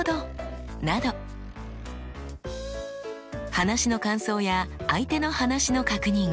話の感想や相手の話の確認